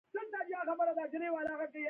لاسونه مې وچ کړل.